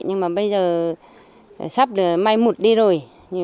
nhưng mà bây giờ sắp được mai mù đi rồi